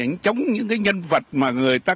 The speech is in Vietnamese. anh chống những cái nhân vật mà người ta